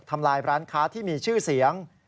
ทำลายร้านค้าที่มีชื่อเสียง